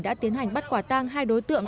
đã tiến hành bắt quả tăng hai đối tượng